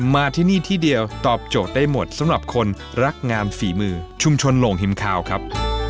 มาที่นี่ที่เดียวตอบโจทย์ได้หมดสำหรับคนรักงามฝีมือชุมชนโหลงฮิมคาวครับ